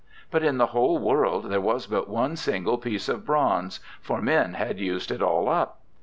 But in the whole world there was but one single piece of bronze, for men had used it all up.